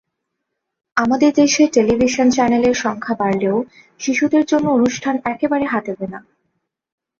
আমাদের দেশের টেলিভিশন চ্যানেলের সংখ্যা বাড়লেও শিশুদের জন্য অনুষ্ঠান একবারে হাতে গোনা।